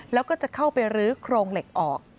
แล้วก็จะเข้าไปรื้อโครงเหล็กออก